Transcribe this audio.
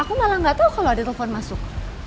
aku malah gak tau kalau ada telepon masuk